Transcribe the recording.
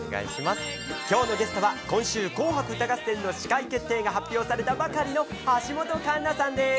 きょうのゲストは、今週、紅白歌合戦の司会決定が発表されたばかりの橋本環奈さんです。